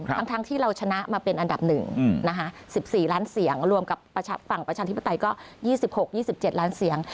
ทั้งที่เราชนะมาเป็นอันดับ๑๔ล้านเสียงรวมกับฝั่งประชาธิปไตยก็๒๖๒๗ล้านเสียง